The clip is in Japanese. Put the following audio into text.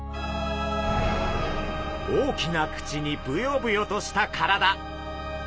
大きな口にブヨブヨとした体。